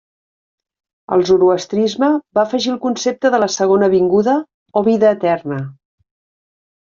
El zoroastrisme va afegir el concepte de la segona vinguda o vida eterna.